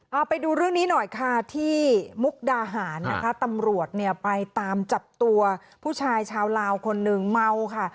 เอาไปดูเรื่องนี้หน่อยค่ะที่มุกดาหารนะคะตำรวจเนี่ยไปตามจับตัวผู้ชายชาวลาวคนหนึ่งเมาค่ะ